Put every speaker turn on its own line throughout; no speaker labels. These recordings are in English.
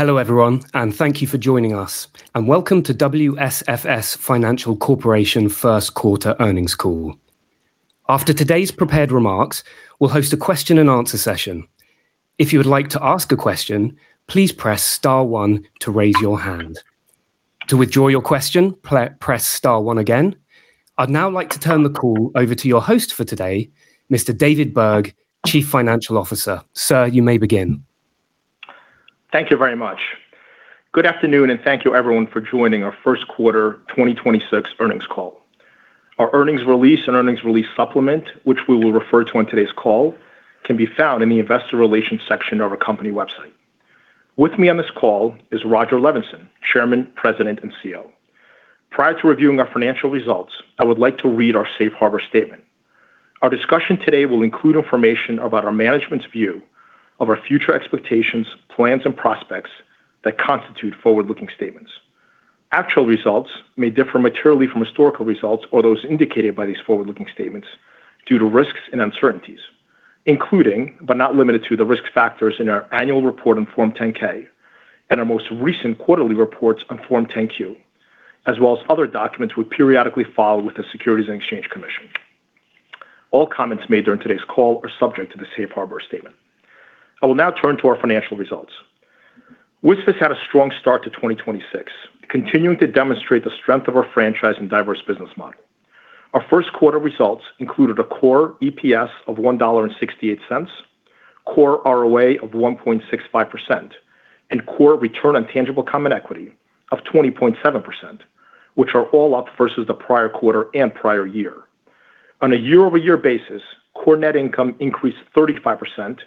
Hello everyone, and thank you for joining us. Welcome to WSFS Financial Corporation first quarter earnings call. After today's prepared remarks, we'll host a question and answer session. If you would like to ask a question, please press star one to raise your hand. To withdraw your question, press star one again. I'd now like to turn the call over to your host for today, Mr. David Burg, Chief Financial Officer. Sir, you may begin.
Thank you very much. Good afternoon, and thank you everyone for joining our first quarter 2026 earnings call. Our earnings release and earnings release supplement, which we will refer to on today's call, can be found in the investor relations section of our company website. With me on this call is Rodger Levenson, Chairman, President, and CEO. Prior to reviewing our financial results, I would like to read our safe harbor statement. Our discussion today will include information about our management's view of our future expectations, plans, and prospects that constitute forward-looking statements. Actual results may differ materially from historical results or those indicated by these forward-looking statements due to risks and uncertainties, including, but not limited to, the risk factors in our annual report on Form 10-K and our most recent quarterly reports on Form 10-Q, as well as other documents we periodically file with the Securities and Exchange Commission. All comments made during today's call are subject to the safe harbor statement. I will now turn to our financial results. WSFS had a strong start to 2026, continuing to demonstrate the strength of our franchise and diverse business model. Our first quarter results included a Core EPS of $1.68, Core ROA of 1.65%, and Core Return on Tangible Common Equity of 20.7%, which are all up versus the prior quarter and prior year. On a year-over-year basis, core net income increased 35%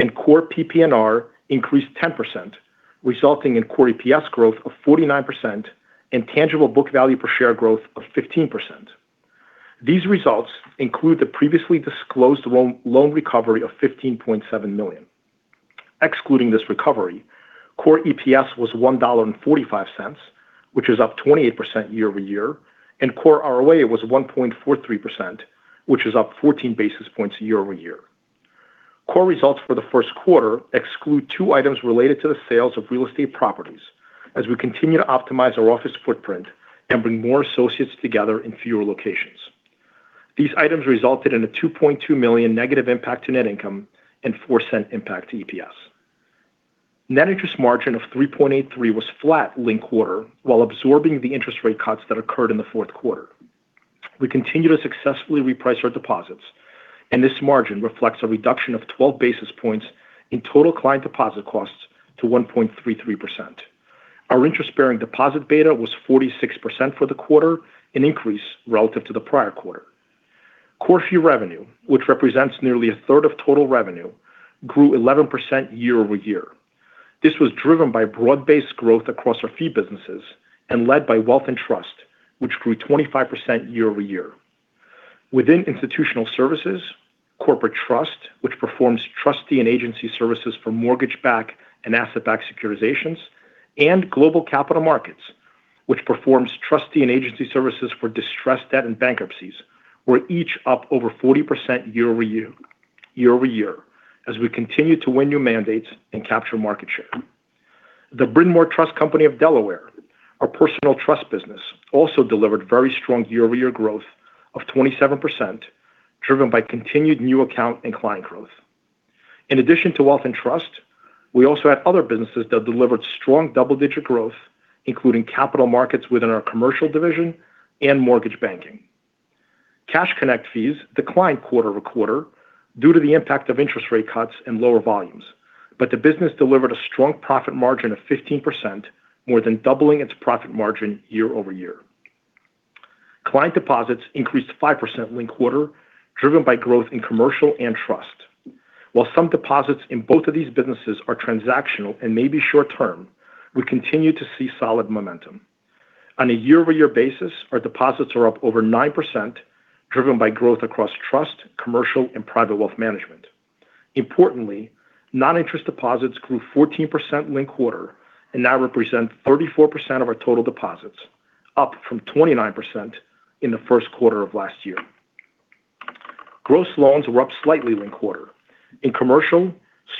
and Core PPNR increased 10%, resulting in Core EPS growth of 49% and tangible book value per share growth of 15%. These results include the previously disclosed loan recovery of $15.7 million. Excluding this recovery, Core EPS was $1.45, which is up 28% year-over-year, and Core ROA was 1.43%, which is up 14 basis points year-over-year. Core results for the first quarter exclude two items related to the sales of real estate properties, as we continue to optimize our office footprint and bring more associates together in fewer locations. These items resulted in a $2.2 million negative impact to net income and $0.04 impact to EPS. Net interest margin of 3.83 was flat, linked quarter, while absorbing the interest rate cuts that occurred in the fourth quarter. We continue to successfully reprice our deposits, and this margin reflects a reduction of 12 basis points in total client deposit costs to 1.33%. Our interest-bearing deposit beta was 46% for the quarter, an increase relative to the prior quarter. Core fee revenue, which represents nearly a third of total revenue, grew 11% year-over-year. This was driven by broad-based growth across our fee businesses and led by Wealth and Trust, which grew 25% year-over-year. Within Institutional Services, Corporate Trust, which performs trustee and agency services for mortgage-backed and asset-backed securitizations, and Global Capital Markets, which performs trustee and agency services for distressed debt and bankruptcies, were each up over 40% year-over-year as we continue to win new mandates and capture market share. The Bryn Mawr Trust Company of Delaware, our personal trust business, also delivered very strong year-over-year growth of 27%, driven by continued new account and client growth. In addition to Wealth and Trust, we also had other businesses that delivered strong double-digit growth, including capital markets within our commercial division and mortgage banking. Cash Connect fees declined quarter-over-quarter due to the impact of interest rate cuts and lower volumes. The business delivered a strong profit margin of 15%, more than doubling its profit margin year-over-year. Client deposits increased 5% linked-quarter, driven by growth in commercial and trust. While some deposits in both of these businesses are transactional and may be short term, we continue to see solid momentum. On a year-over-year basis, our deposits are up over 9%, driven by growth across trust, commercial, and private wealth management. Importantly, non-interest deposits grew 14% linked quarter and now represent 34% of our total deposits, up from 29% in the first quarter of last year. Gross loans were up slightly linked quarter. In commercial,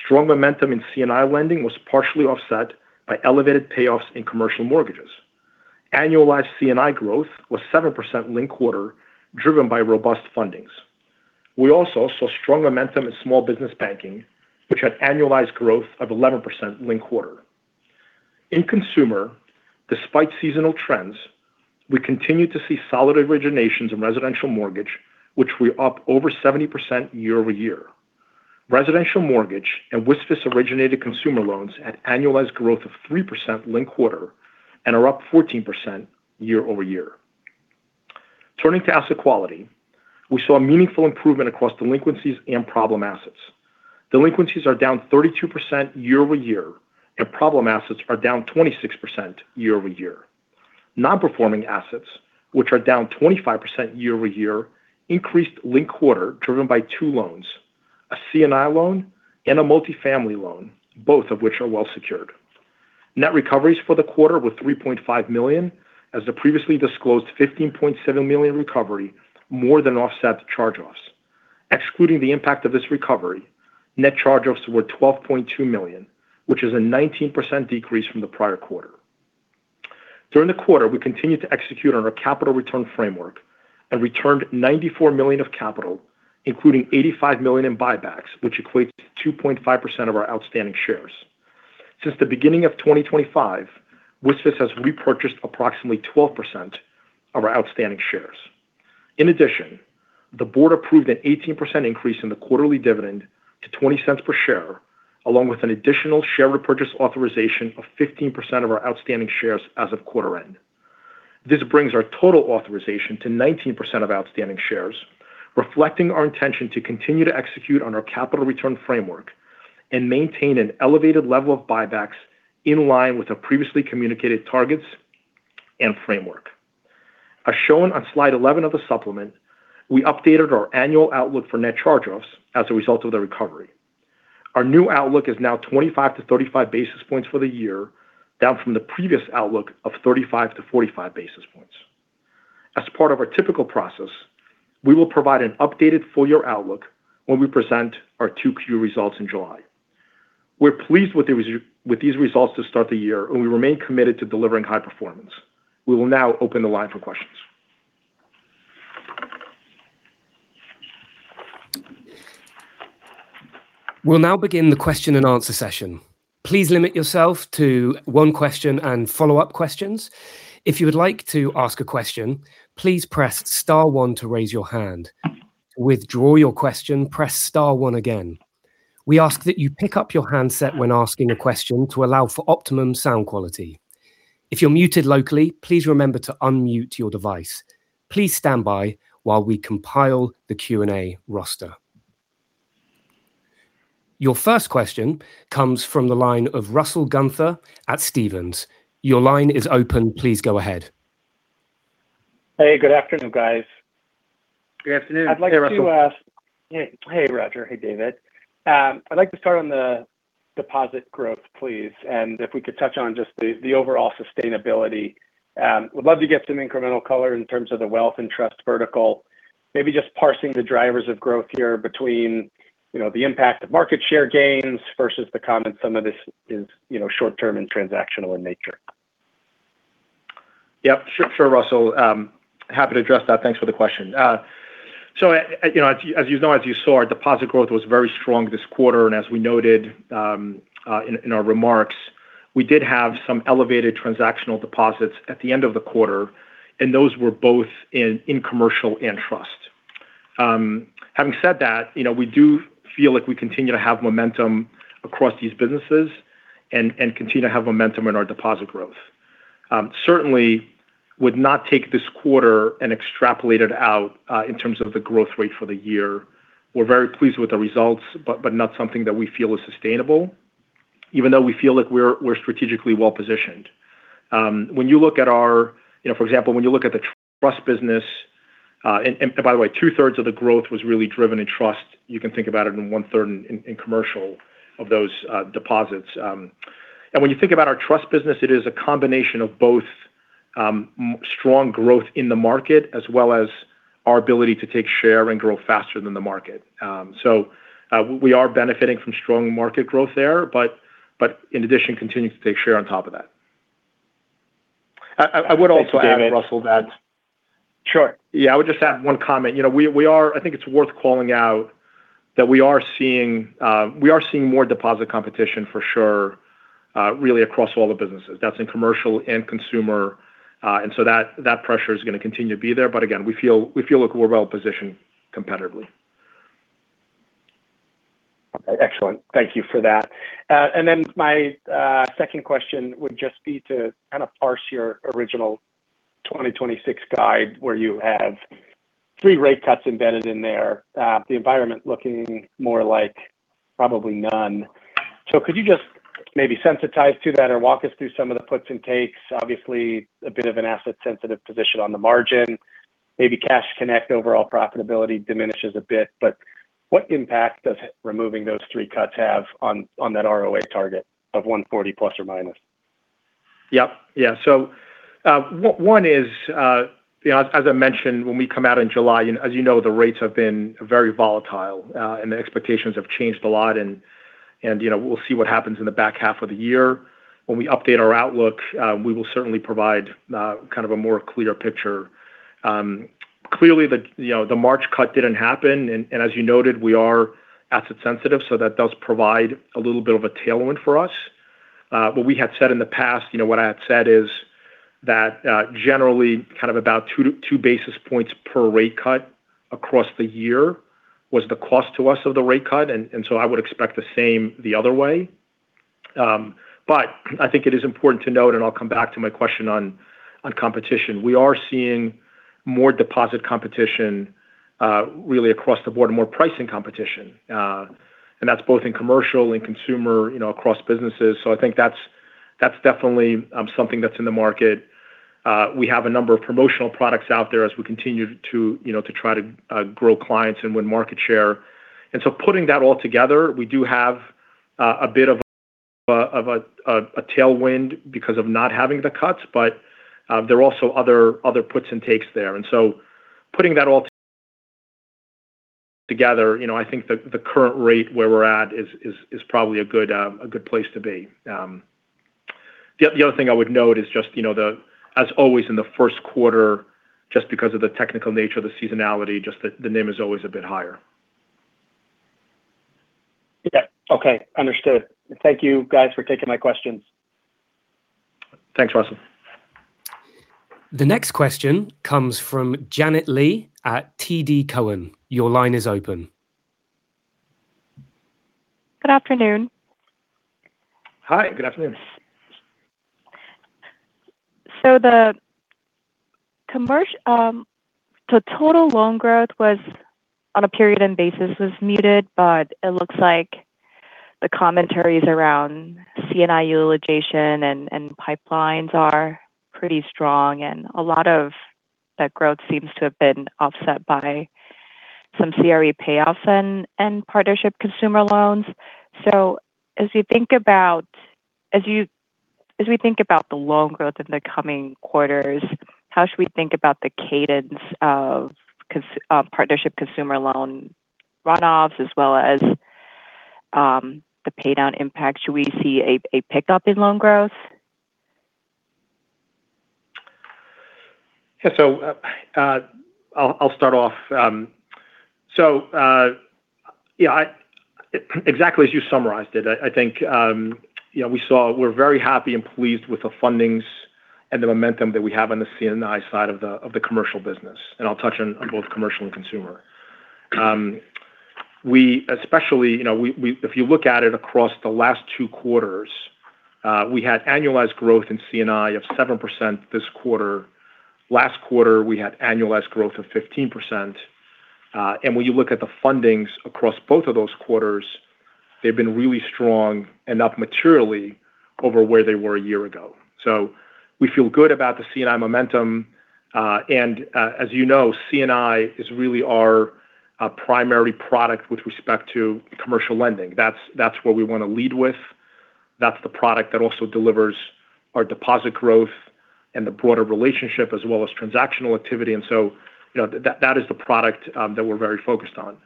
strong momentum in C&I lending was partially offset by elevated payoffs in commercial mortgages. Annualized C&I growth was 7% linked quarter, driven by robust fundings. We also saw strong momentum in small business banking, which had annualized growth of 11% linked quarter. In consumer, despite seasonal trends, we continue to see solid originations in residential mortgage, which were up over 70% year-over-year. Residential mortgage and WSFS-originated consumer loans had annualized growth of 3% linked quarter and are up 14% year-over-year. Turning to asset quality, we saw a meaningful improvement across delinquencies and problem assets. Delinquencies are down 32% year-over-year, and problem assets are down 26% year-over-year. Nonperforming assets, which are down 25% year-over-year, increased, linked-quarter, driven by 2 loans, a C&I loan and a multifamily loan, both of which are well secured. Net recoveries for the quarter were $3.5 million as the previously disclosed $15.7 million recovery more than offset the charge-offs. Excluding the impact of this recovery, net charge-offs were $12.2 million, which is a 19% decrease from the prior quarter. During the quarter, we continued to execute on our capital return framework and returned $94 million of capital, including $85 million in buybacks, which equates to 2.5% of our outstanding shares. Since the beginning of 2025, WSFS has repurchased approximately 12% of our outstanding shares. In addition, the board approved an 18% increase in the quarterly dividend to $0.20 per share, along with an additional share repurchase authorization of 15% of our outstanding shares as of quarter-end. This brings our total authorization to 19% of outstanding shares, reflecting our intention to continue to execute on our capital return framework and maintain an elevated level of buybacks in line with the previously communicated targets and framework. As shown on slide 11 of the supplement, we updated our annual outlook for net charge-offs as a result of the recovery. Our new outlook is now 25-35 basis points for the year, down from the previous outlook of 35-45 basis points. As part of our typical process, we will provide an updated full-year outlook when we present our 2Q results in July. We're pleased with these results to start the year, and we remain committed to delivering high performance. We will now open the line for questions.
We'll now begin the question and answer session. Please limit yourself to one question and follow-up questions. If you would like to ask a question, please press star one to raise your hand. To withdraw your question, press star one again. We ask that you pick up your handset when asking a question to allow for optimum sound quality. If you're muted locally, please remember to unmute your device. Please stand by while we compile the Q&A roster. Your first question comes from the line of Russell Gunther at Stephens. Your line is open. Please go ahead.
Hey, good afternoon, guys.
Good afternoon. Hey, Russell.
Hey, Rodger. Hey, David. I'd like to start on the deposit growth, please. If we could touch on just the overall sustainability. Would love to get some incremental color in terms of the Wealth and Trust vertical. Maybe just parsing the drivers of growth here between the impact of market share gains versus the comment some of this is short-term and transactional in nature.
Yep. Sure, Russell. Happy to address that. Thanks for the question. As you know, as you saw, our deposit growth was very strong this quarter. As we noted in our remarks, we did have some elevated transactional deposits at the end of the quarter, and those were both in commercial and trust. Having said that, we do feel like we continue to have momentum across these businesses and continue to have momentum in our deposit growth. Certainly would not take this quarter and extrapolate it out, in terms of the growth rate for the year. We're very pleased with the results, but not something that we feel is sustainable, even though we feel like we're strategically well-positioned. For example, when you look at the trust business, and by the way, two-thirds of the growth was really driven in trust. You can think about it in one-third in commercial of those deposits. When you think about our trust business, it is a combination of both strong growth in the market as well as our ability to take share and grow faster than the market. We are benefiting from strong market growth there, but in addition, continuing to take share on top of that. I would also add, Russell, that-
Sure.
Yeah, I would just add one comment. I think it's worth calling out that we are seeing more deposit competition for sure, really across all the businesses. That's in commercial and consumer. That pressure is going to continue to be there. Again, we feel like we're well-positioned competitively.
Excellent. Thank you for that. My second question would just be to kind of parse your original 2026 guide, where you have 3 rate cuts embedded in there, the environment looking more like probably none. Could you just maybe sensitize to that or walk us through some of the puts and takes? Obviously, a bit of an asset-sensitive position on the margin. Maybe Cash Connect overall profitability diminishes a bit, but what impact does removing those 3 cuts have on that ROA target of 140 ±?
Yep. Yeah. One is, as I mentioned when we come out in July, as you know the rates have been very volatile, and the expectations have changed a lot. We'll see what happens in the back half of the year. When we update our outlook, we will certainly provide kind of a more clear picture. Clearly, the March cut didn't happen, and as you noted, we are asset sensitive, so that does provide a little bit of a tailwind for us. What we had said in the past, what I had said is that generally kind of about two basis points per rate cut across the year was the cost to us of the rate cut. I would expect the same the other way. I think it is important to note, and I'll come back to my question on competition. We are seeing more deposit competition really across the board, more pricing competition. That's both in commercial and consumer across businesses. I think that's definitely something that's in the market. We have a number of promotional products out there as we continue to try to grow clients and win market share. Putting that all together, we do have a bit of a tailwind because of not having the cuts, but there are also other puts and takes there. Putting that all together, I think the current rate where we're at is probably a good place to be. The other thing I would note is just, as always in the first quarter, just because of the technical nature of the seasonality, just that the NIM is always a bit higher.
Yeah. Okay. Understood. Thank you guys for taking my questions.
Thanks, Russell.
The next question comes from Janet Lee at TD Cowen. Your line is open.
Good afternoon.
Hi, good afternoon.
The total loan growth on a period end basis was muted, but it looks like the commentaries around C&I utilization and pipelines are pretty strong, and a lot of that growth seems to have been offset by some CRE payoffs and partnership consumer loans. As we think about the loan growth in the coming quarters, how should we think about the cadence of partnership consumer loan runoffs as well as the paydown impact? Should we see a pickup in loan growth?
Yeah. I'll start off. Yeah, exactly as you summarized it, I think we're very happy and pleased with the fundings and the momentum that we have on the C&I side of the commercial business, and I'll touch on both commercial and consumer. If you look at it across the last two quarters, we had annualized growth in C&I of 7% this quarter. Last quarter, we had annualized growth of 15%. When you look at the fundings across both of those quarters, they've been really strong and up materially over where they were a year ago. We feel good about the C&I momentum. As you know, C&I is really our primary product with respect to commercial lending. That's what we want to lead with. That's the product that also delivers our deposit growth and the broader relationship as well as transactional activity, and so that is the product that we're very focused on.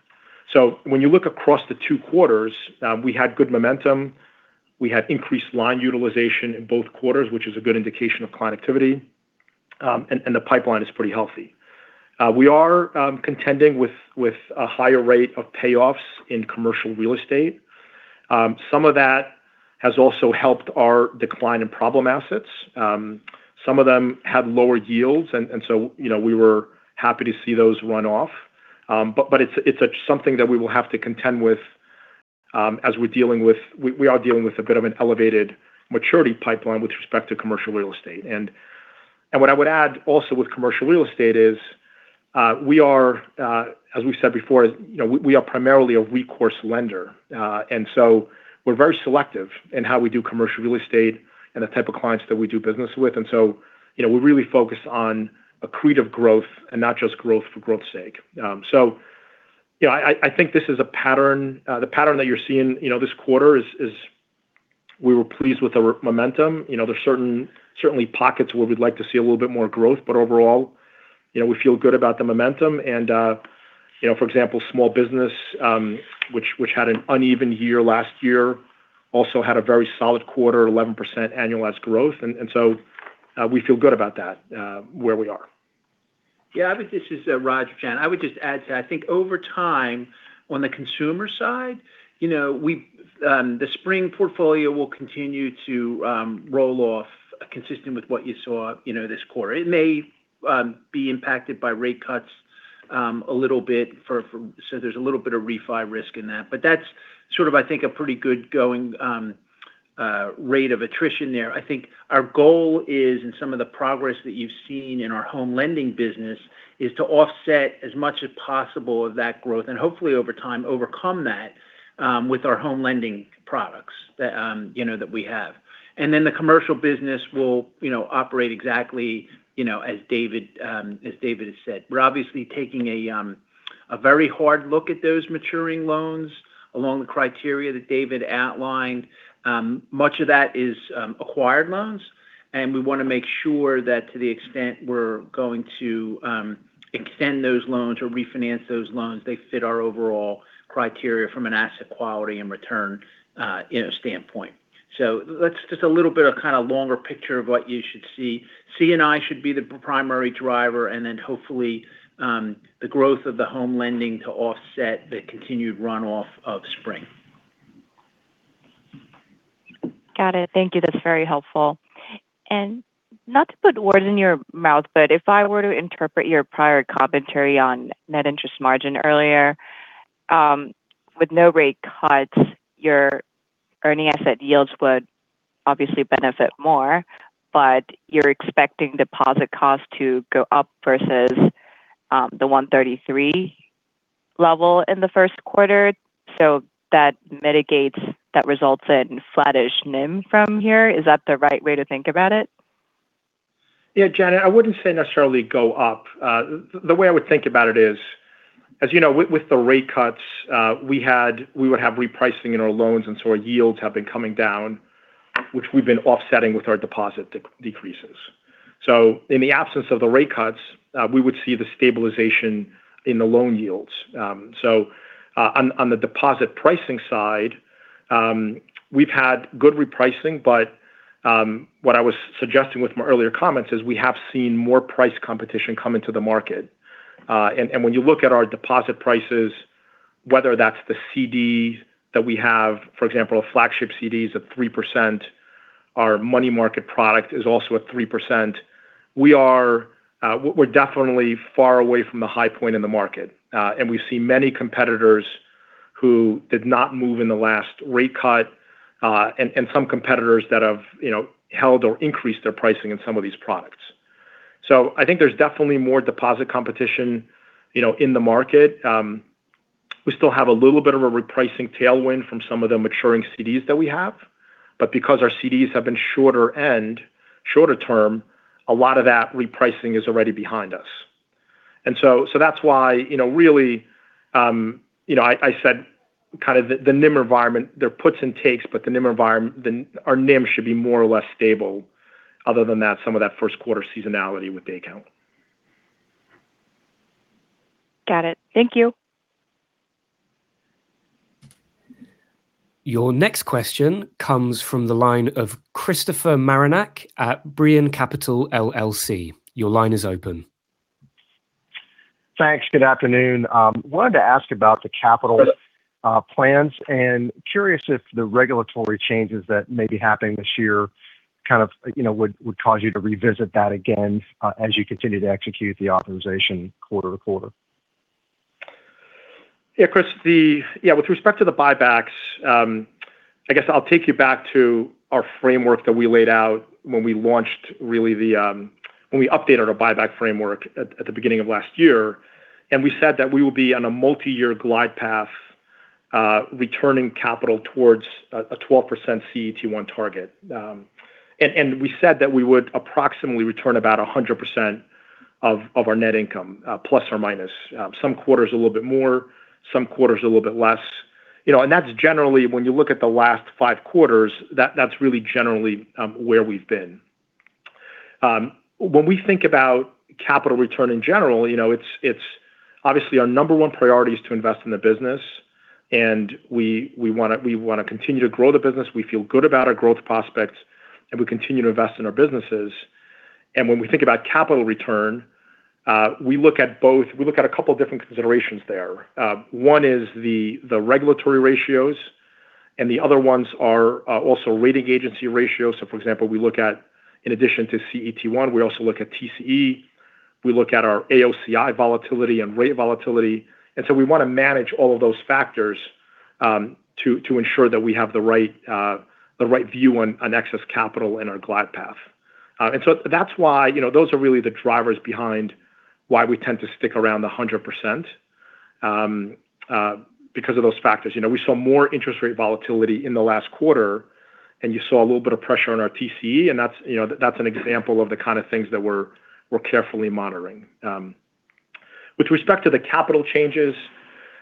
When you look across the two quarters, we had good momentum. We had increased line utilization in both quarters, which is a good indication of client activity, and the pipeline is pretty healthy. We are contending with a higher rate of payoffs in commercial real estate. Some of that has also helped our decline in problem assets. Some of them had lower yields, and so we were happy to see those run off. It's something that we will have to contend with as we are dealing with a bit of an elevated maturity pipeline with respect to commercial real estate. What I would add also with commercial real estate is we are, as we've said before, we are primarily a recourse lender. We're very selective in how we do commercial real estate and the type of clients that we do business with, and so we're really focused on accretive growth and not just growth for growth's sake. I think this is a pattern. The pattern that you're seeing this quarter is we were pleased with our momentum. There's certainly pockets where we'd like to see a little bit more growth, but overall, we feel good about the momentum. For example, small business which had an uneven year last year, also had a very solid quarter, 11% annualized growth. We feel good about that, where we are.
Yeah. This is Rodger. I would just add to that. I think over time on the consumer side, the Spring EQ portfolio will continue to roll off consistent with what you saw this quarter. It may be impacted by rate cuts a little bit, so there's a little bit of refi risk in that. But that's sort of I think a pretty good going rate of attrition there. I think our goal is, and some of the progress that you've seen in our home lending business, is to offset as much as possible of that growth and hopefully over time overcome that with our home lending products that we have. The commercial business will operate exactly as David has said. We're obviously taking a very hard look at those maturing loans along the criteria that David outlined. Much of that is acquired loans, and we want to make sure that to the extent we're going to extend those loans or refinance those loans, they fit our overall criteria from an asset quality and return standpoint. That's just a little bit of kind of longer picture of what you should see. C&I should be the primary driver, and then hopefully the growth of the home lending to offset the continued runoff of Spring EQ.
Got it. Thank you. That's very helpful. Not to put words in your mouth, but if I were to interpret your prior commentary on net interest margin earlier, with no rate cuts, your earning asset yields would obviously benefit more, but you're expecting deposit costs to go up versus the 133 level in the first quarter. That mitigates that result in flattish NIM from here. Is that the right way to think about it?
Yeah, Janet, I wouldn't say necessarily go up. The way I would think about it is, as you know, with the rate cuts we would have repricing in our loans and so our yields have been coming down, which we've been offsetting with our deposit decreases. In the absence of the rate cuts, we would see the stabilization in the loan yields. On the deposit pricing side, we've had good repricing, but what I was suggesting with my earlier comments is we have seen more price competition come into the market. When you look at our deposit prices, whether that's the CDs that we have, for example, a flagship CD is at 3%, our money market product is also at 3%, we're definitely far away from the high point in the market. We see many competitors who did not move in the last rate cut, and some competitors that have held or increased their pricing in some of these products. I think there's definitely more deposit competition in the market. We still have a little bit of a repricing tailwind from some of the maturing CDs that we have, but because our CDs have been shorter end, shorter term, a lot of that repricing is already behind us. That's why, really, I said kind of the NIM environment, there are puts and takes, but our NIM should be more or less stable other than that, some of that first quarter seasonality with the account.
Got it. Thank you.
Your next question comes from the line of Christopher Marinac at Brean Capital, LLC. Your line is open.
Thanks. Good afternoon. I wanted to ask about the capital plans, and curious if the regulatory changes that may be happening this year kind of would cause you to revisit that again as you continue to execute the optimization quarter to quarter.
Yeah, Chris, with respect to the buybacks, I guess I'll take you back to our framework that we laid out when we updated our buyback framework at the beginning of last year, and we said that we will be on a multi-year glide path, returning capital towards a 12% CET1 target. We said that we would approximately return about 100% of our net income, plus or minus. Some quarters a little bit more, some quarters a little bit less. That's generally, when you look at the last five quarters, that's really generally where we've been. When we think about capital return in general, obviously our number one priority is to invest in the business and we want to continue to grow the business. We feel good about our growth prospects, and we continue to invest in our businesses. When we think about capital return, we look at a couple of different considerations there. One is the regulatory ratios, and the other ones are also rating agency ratios. For example, we look at, in addition to CET1, we also look at TCE. We look at our AOCI volatility and rate volatility. We want to manage all of those factors to ensure that we have the right view on excess capital in our glide path. That's why those are really the drivers behind why we tend to stick around 100%, because of those factors. We saw more interest rate volatility in the last quarter, and you saw a little bit of pressure on our TCE, and that's an example of the kind of things that we're carefully monitoring. With respect to the capital changes,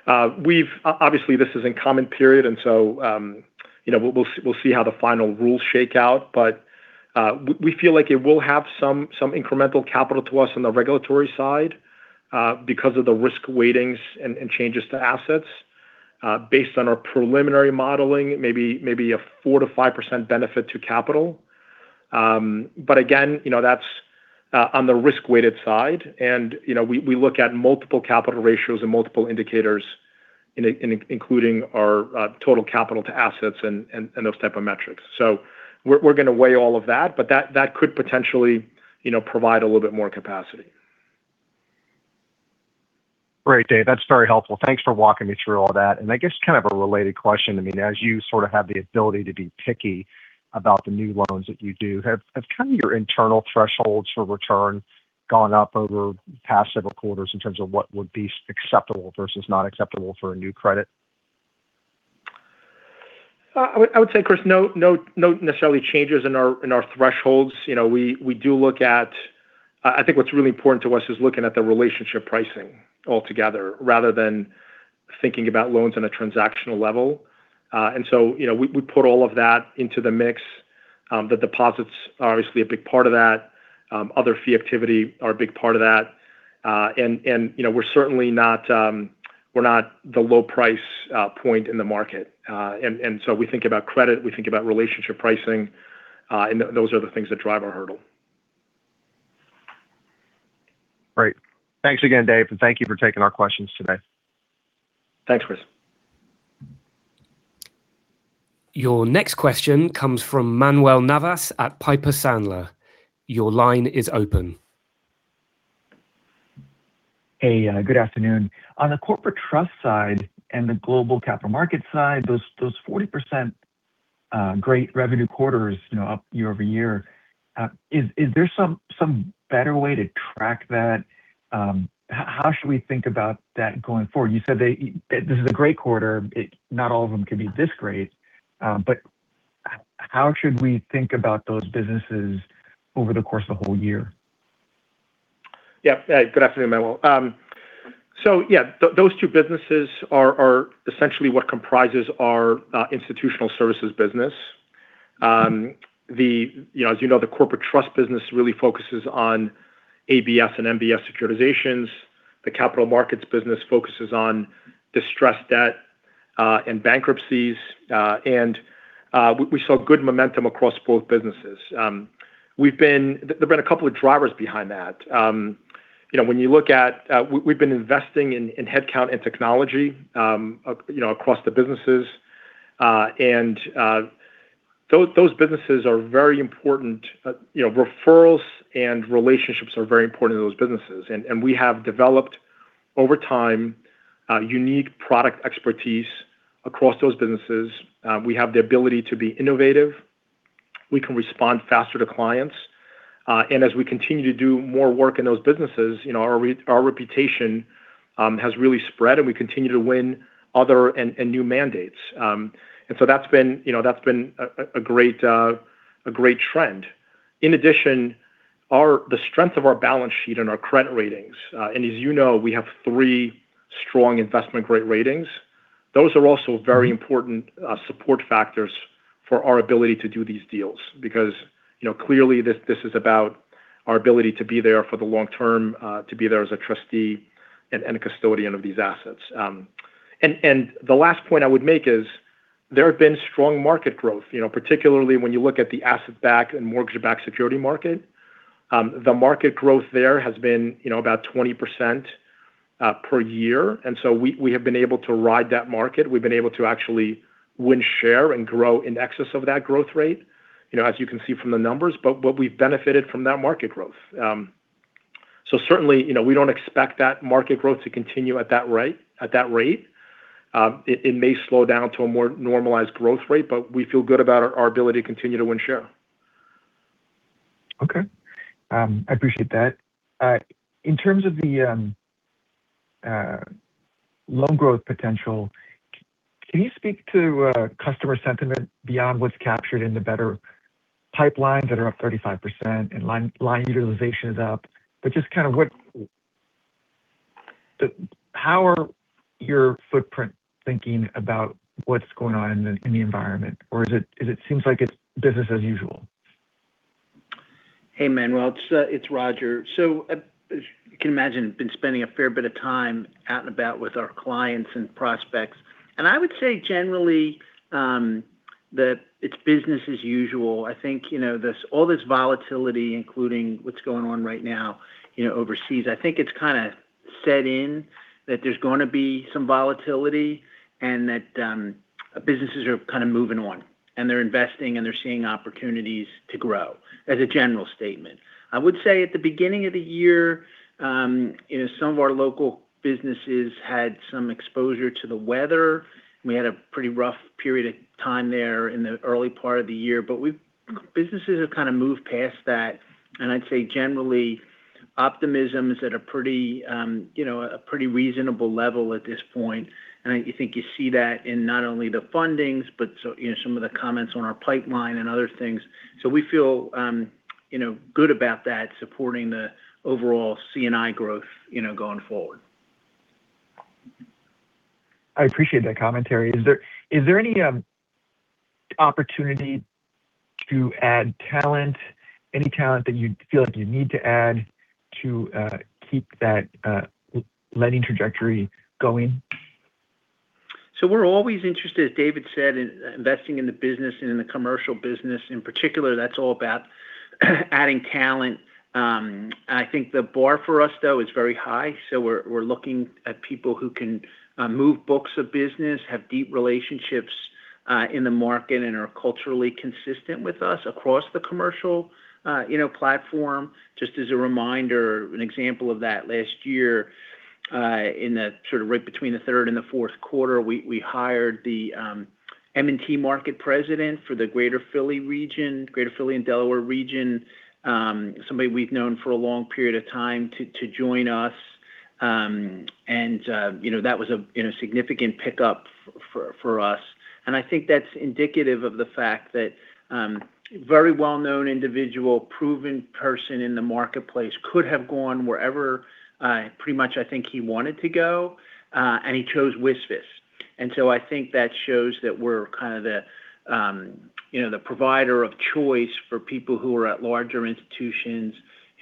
obviously this is in common period and we'll see how the final rules shake out. We feel like it will have some incremental capital to us on the regulatory side because of the risk weightings and changes to assets. Based on our preliminary modeling, maybe a 4%-5% benefit to capital. Again, that's on the risk-weighted side, and we look at multiple capital ratios and multiple indicators including our total capital to assets and those type of metrics. We're going to weigh all of that, but that could potentially provide a little bit more capacity.
Great, David. That's very helpful. Thanks for walking me through all that. I guess kind of a related question, as you sort of have the ability to be picky about the new loans that you do, have kind of your internal thresholds for return gone up over past several quarters in terms of what would be acceptable versus not acceptable for a new credit?
I would say, Chris, no necessary changes in our thresholds. I think what's really important to us is looking at the relationship pricing altogether rather than thinking about loans on a transactional level. We put all of that into the mix. The deposits are obviously a big part of that. Other fee activity are a big part of that. We're not the low price point in the market. We think about credit, we think about relationship pricing. Those are the things that drive our hurdle.
Great. Thanks again, Dave, and thank you for taking our questions today.
Thanks, Chris.
Your next question comes from Manuel Navas at Piper Sandler. Your line is open.
Hey, good afternoon. On the Corporate Trust side and the Global Capital Markets side, those 40% greater revenue quarters up year-over-year, is there some better way to track that? How should we think about that going forward? You said this is a great quarter. Not all of them can be this great. How should we think about those businesses over the course of the whole year?
Yeah. Good afternoon, Manuel. Yeah, those two businesses are essentially what comprises our Institutional Services business. As you know, the Corporate Trust business really focuses on ABS and MBS securitizations. The Capital Markets business focuses on distressed debt and bankruptcies. We saw good momentum across both businesses. There have been a couple of drivers behind that. We've been investing in headcount and technology across the businesses. Those businesses are very important. Referrals and relationships are very important to those businesses. We have developed over time, a unique product expertise across those businesses. We have the ability to be innovative. We can respond faster to clients. As we continue to do more work in those businesses, our reputation has really spread, and we continue to win other and new mandates. That's been a great trend. In addition, the strength of our balance sheet and our credit ratings, and as you know, we have three strong investment-grade ratings. Those are also very important support factors for our ability to do these deals because clearly this is about our ability to be there for the long term, to be there as a trustee and a custodian of these assets. The last point I would make is there has been strong market growth particularly when you look at the asset-backed and mortgage-backed security market. The market growth there has been about 20% per year. We have been able to ride that market. We've been able to actually win, share, and grow in excess of that growth rate as you can see from the numbers. We've benefited from that market growth. Certainly, we don't expect that market growth to continue at that rate. It may slow down to a more normalized growth rate, but we feel good about our ability to continue to win share.
Okay. I appreciate that. In terms of the loan growth potential, can you speak to customer sentiment beyond what's captured in the better pipelines that are up 35% and line utilization is up? How are your customers in the footprint thinking about what's going on in the environment? Or does it seem like it's business as usual?
Hey, Manuel. It's Rodger. As you can imagine, been spending a fair bit of time out and about with our clients and prospects. I would say generally, that it's business as usual. I think all this volatility, including what's going on right now overseas, I think it's kind of set in that there's going to be some volatility and that businesses are kind of moving on, and they're investing, and they're seeing opportunities to grow as a general statement. I would say at the beginning of the year some of our local businesses had some exposure to the weather. We had a pretty rough period of time there in the early part of the year. Businesses have kind of moved past that, and I'd say generally, optimism is at a pretty reasonable level at this point. I think you see that in not only the fundings, but in some of the comments on our pipeline and other things. We feel good about that supporting the overall C&I growth going forward.
I appreciate that commentary. Is there any opportunity to add talent, any talent that you feel like you need to add to keep that lending trajectory going?
We're always interested, as David said, in investing in the business and in the commercial business in particular. That's all about adding talent. I think the bar for us, though, is very high. We're looking at people who can move books of business, have deep relationships in the market, and are culturally consistent with us across the commercial platform. Just as a reminder, an example of that last year in the sort of right between the third and the fourth quarter, we hired the M&T market president for the Greater Philly region, Greater Philly and Delaware region. Somebody we've known for a long period of time to join us, and that was a significant pickup for us. I think that's indicative of the fact that very well-known individual, proven person in the marketplace could have gone wherever pretty much I think he wanted to go, and he chose WSFS. I think that shows that we're kind of the provider of choice for people who are at larger institutions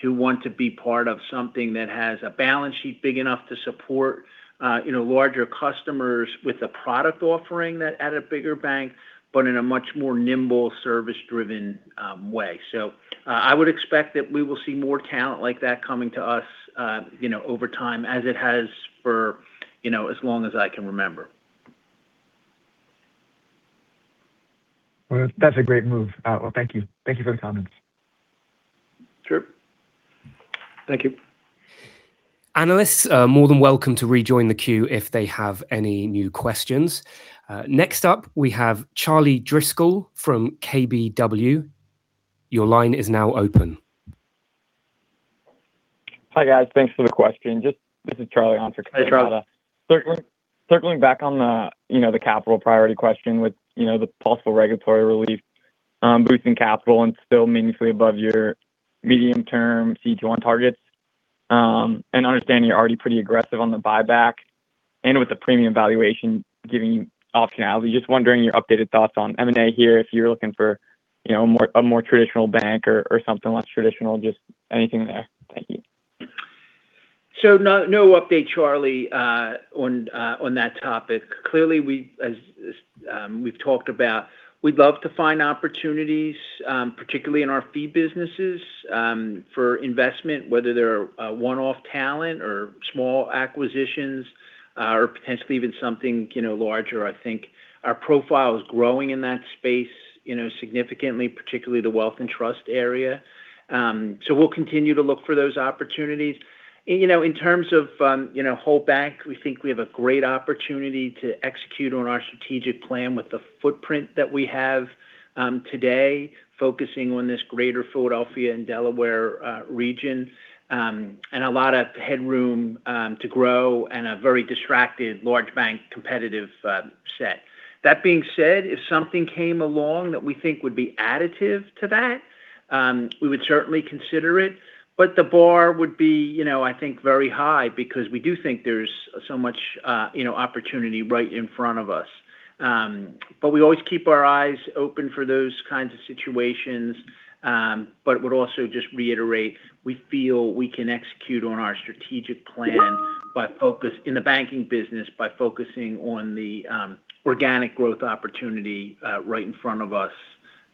who want to be part of something that has a balance sheet big enough to support larger customers with a product offering at a bigger bank, but in a much more nimble, service-driven way. I would expect that we will see more talent like that coming to us over time as it has for as long as I can remember.
Well, that's a great move. Thank you. Thank you for the comments.
Sure.
Thank you.
Analysts are more than welcome to rejoin the queue if they have any new questions. Next up we have Charlie Driscoll from KBW. Your line is now open.
Hi guys. Thanks for the question. This is Charlie on for KBW.
Hey, Charlie.
Circling back on the capital priority question with the possible regulatory relief. Boosting capital and still meaningfully above your medium-term CECL targets. Understanding you're already pretty aggressive on the buyback and with the premium valuation giving you optionality. Just wondering your updated thoughts on M&A here, if you're looking for a more traditional bank or something less traditional, just anything there. Thank you.
No update, Charlie, on that topic. Clearly we've talked about we'd love to find opportunities, particularly in our fee businesses, for investment, whether they're one-off talent or small acquisitions or potentially even something larger. I think our profile is growing in that space significantly, particularly the Wealth and Trust area. We'll continue to look for those opportunities. In terms of whole bank, we think we have a great opportunity to execute on our strategic plan with the footprint that we have today, focusing on this Greater Philadelphia and Delaware region and a lot of headroom to grow and a very distracted large bank competitive set. That being said, if something came along that we think would be additive to that, we would certainly consider it. But the bar would be, I think, very high because we do think there's so much opportunity right in front of us. We always keep our eyes open for those kinds of situations. We would also just reiterate, we feel we can execute on our strategic plan in the banking business by focusing on the organic growth opportunity right in front of us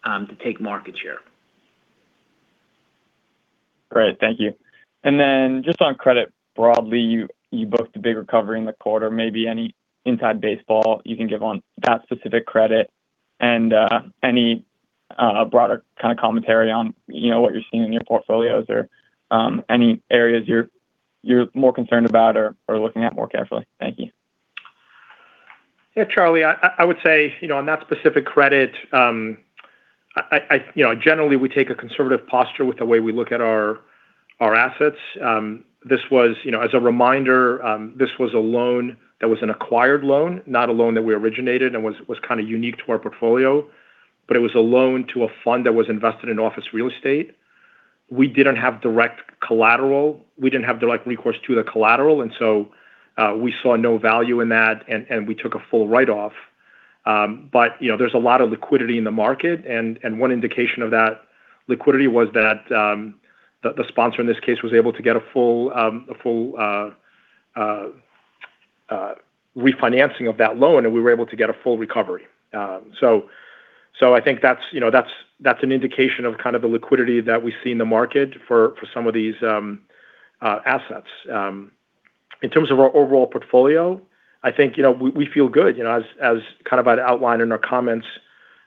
to take market share.
Great, thank you. Just on credit broadly, you booked a big recovery in the quarter, maybe any inside baseball you can give on that specific credit and any broader kind of commentary on what you're seeing in your portfolios or any areas you're more concerned about or looking at more carefully? Thank you.
Yeah, Charlie, I would say on that specific credit, generally we take a conservative posture with the way we look at our assets. As a reminder, this was a loan that was an acquired loan, not a loan that we originated and was kind of unique to our portfolio, but it was a loan to a fund that was invested in office real estate. We didn't have direct collateral. We didn't have direct recourse to the collateral, and so we saw no value in that, and we took a full write-off. There's a lot of liquidity in the market, and one indication of that liquidity was that the sponsor in this case was able to get a full refinancing of that loan, and we were able to get a full recovery. I think that's an indication of kind of the liquidity that we see in the market for some of these assets. In terms of our overall portfolio, I think we feel good. As I kind of outlined in our comments,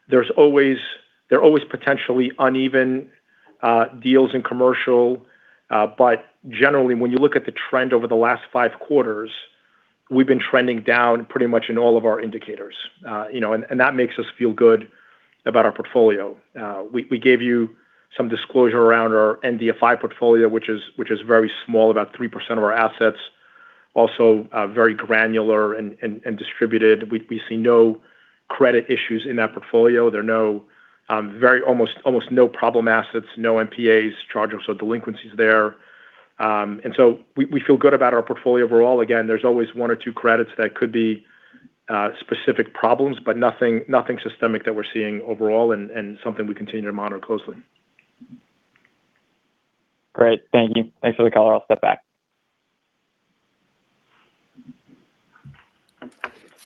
they're always potentially uneven deals in commercial, but generally, when you look at the trend over the last five quarters, we've been trending down pretty much in all of our indicators. That makes us feel good about our portfolio. We gave you some disclosure around our MDI portfolio, which is very small, about 3% of our assets. Also very granular and distributed. We see no credit issues in that portfolio. There are almost no problem assets, no MPAs, charge-offs, or delinquencies there. We feel good about our portfolio overall. Again, there's always one or two credits that could be specific problems, but nothing systemic that we're seeing overall and something we continue to monitor closely.
Great, thank you. Thanks for the color. I'll step back.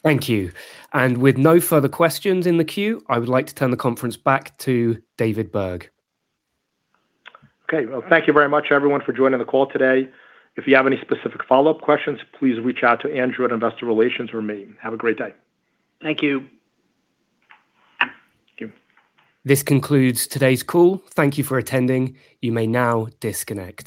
Thank you. With no further questions in the queue, I would like to turn the conference back to David Burg.
Okay. Well, thank you very much, everyone, for joining the call today. If you have any specific follow-up questions, please reach out to Andrew in investor relations or me. Have a great day.
Thank you.
Thank you.
This concludes today's call. Thank you for attending. You may now disconnect.